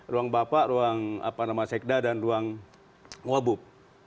ruang bapak ruang apa nama sekda dan ruang wabub